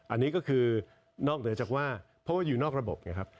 อันนี้ก็คือนอกเหนือจากว่าเพราะว่าอยู่นอกระบบไงครับ